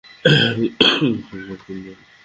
তুমি দুর্বল গুঞ্জন।